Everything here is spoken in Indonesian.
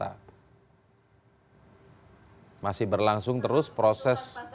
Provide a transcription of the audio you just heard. hai masih berlangsung terus proses